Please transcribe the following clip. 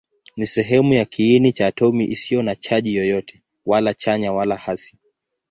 Ni sehemu ya kiini cha atomi isiyo na chaji yoyote, wala chanya wala hasi.